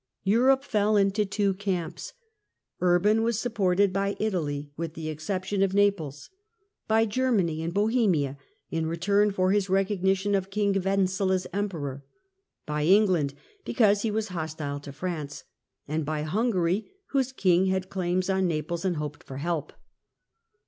Europe fell into two camps. Urban was supported Europe and by Italy, with the exception of Naples ; by Germany and ^°^''"^ Bohemia in return for his recognition of King Wenzel as Emperor ; by England because he was hostile to France ; and by Hungary whose King had claims on Naples and hoped for help.